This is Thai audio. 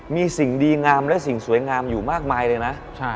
มีสิ่งดีงามและสิ่งสวยงามอยู่มากมายเลยนะ